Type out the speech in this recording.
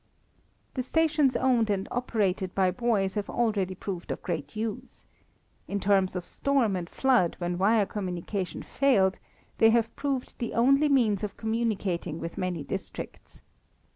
The stations owned and operated by boys have already proved of great use. In times of storm and flood when wire communication failed they have proved the only means of communicating with many districts.